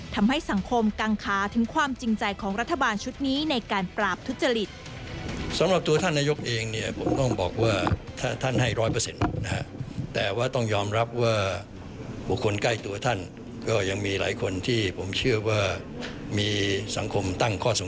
ทำให้สังคมกังคาถึงความจริงใจของรัฐบาลชุดนี้ในการปราบทุจริต